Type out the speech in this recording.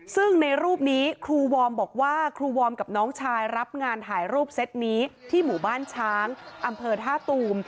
ซึ่งในรูปนี้ครูวอร์มบอกว่าครูวอร์มกับน้องชายรับงานถ่ายรูปเซ็ตนี้ที่หมู่บ้านช้างอำเภอท่าตูม